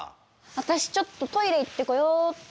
私ちょっとトイレ行ってこようっと。